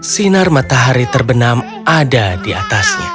sinar matahari terbenam ada di atasnya